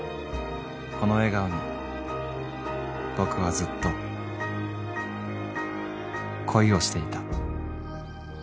［この笑顔に僕はずっと恋をしていた］